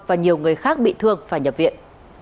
và nhiều người khác bị thương và nhập viện